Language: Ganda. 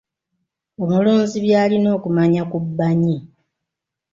Omulunzi by’alina okumanya ku bbanyi